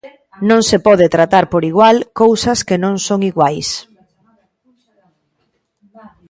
Non se pode tratar por igual cousas que non son iguais.